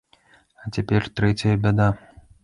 А цяпер трэцяя бяда.